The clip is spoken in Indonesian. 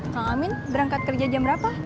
kang amin berangkat kerja jam berapa